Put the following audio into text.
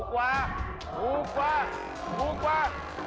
ถูกว่า